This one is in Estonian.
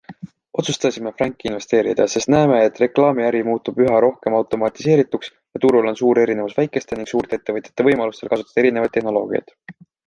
Otsustasime Franki investeerida, sest näeme, et reklaamiäri muutub üha rohkem automatiseerituks ja turul on suur erinevus väikeste ning suurte ettevõtete võimalustel kasutada erinevaid tehnoloogiaid.